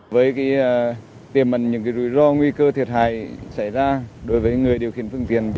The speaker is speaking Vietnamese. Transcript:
với tiềm ẩn những rủi ro nguy cơ thiệt hại xảy ra đối với người điều khiển phương tiện